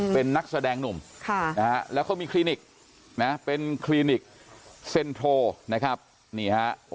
เป็นนักแสดงหนุ่มค่ะนะครับและเขามีโครนิกเซนทรัลนะครับนี่ครับ